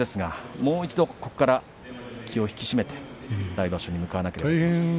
もう一度ここから気を引き締めて来場所に向かわなければいけません。